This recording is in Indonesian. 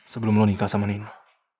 sebelum lo nikah sama nino